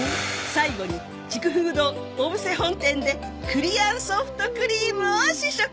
最後に竹風堂小布施本店で栗あんソフトクリームを試食！